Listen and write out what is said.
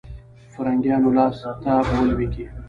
فرنګیانو لاسته ولوېږي.